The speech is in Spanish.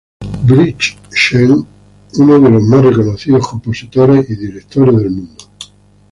Bright Sheng, uno de los más reconocidos compositores y directores del mundo.